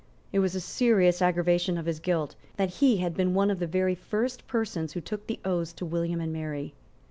It was a serious aggravation of his guilt that he had been one of the very first persons who took the oaths to William and Mary.